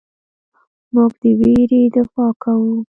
موږ د ویرې دفاع کوو.